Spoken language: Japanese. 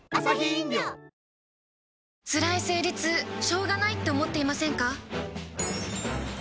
つらい生理痛しょうがないって思っていませんか？